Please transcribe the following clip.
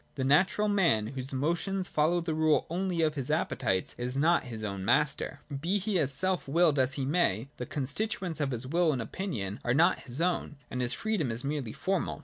The natural man, whose motions follow the rule only of his appetites, is not his own master. Be he as self willed as he may, the con stituents of his will and opinion are not his own, and his free dom is merely formal.